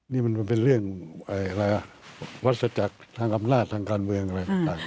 นี่มันเป็นเรื่องวัสจักรทางอำนาจทางการเมืองอะไรต่าง